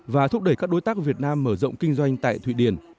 và thúc đẩy các đối tác việt nam mở rộng kinh doanh tại thụy điển